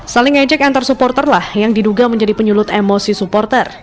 saling ngejek antar supporter lah yang diduga menjadi penyulut emosi supporter